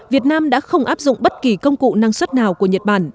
việt nam đã không áp dụng bất kỳ công cụ năng suất nào của nhật bản